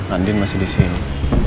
anin masih disini